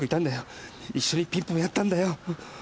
一緒にピンポンやったんだよ！